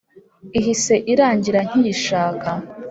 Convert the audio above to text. ihise irangira nkiyishaka